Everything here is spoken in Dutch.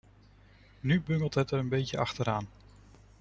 Nu bungelt het er een beetje achteraan.